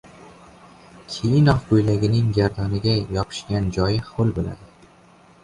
Key in oq ko‘ylagining gardaniga yopishgan joyi ho‘l bo‘ladi.